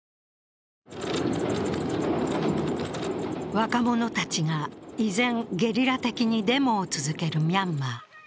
若者たちが依然ゲリラ的にデモを続けるミャンマー。